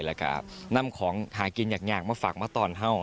แล้วก็นำของหากินอย่างมาฝากมาตอนเฮ่า